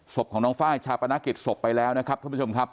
ศพของน้องไฟล์ชาปนกิจศพไปแล้วนะครับท่านผู้ชมครับ